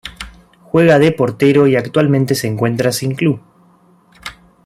Juega de portero y actualmente se encuentra sin club.